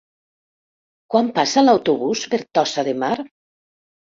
Quan passa l'autobús per Tossa de Mar?